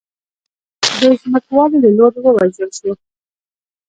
د ځمکوالو له لوري ووژل شو.